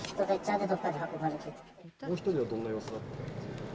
もう１人はどんな様子だったんですか？